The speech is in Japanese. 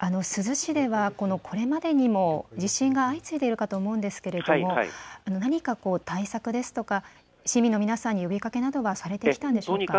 珠洲市では、これまでにも地震が相次いでいるかと思うんですけれども何か対策ですとか市民の皆さんに呼びかけなどはされてきたんでしょうか。